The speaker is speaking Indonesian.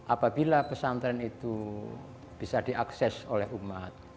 apabila pesantren itu bisa diakses oleh umat